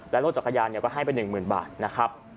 และรถจักรยานก็ให้ไป๑๐๐๐บาทนะครับ